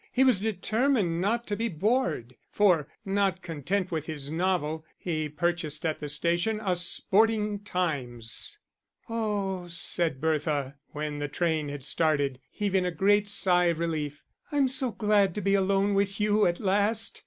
He was determined not to be bored, for, not content with his novel, he purchased at the station a Sporting Times. "Oh," said Bertha, when the train had started, heaving a great sigh of relief, "I'm so glad to be alone with you at last.